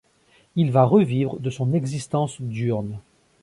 Il va revivre de son existence diurne !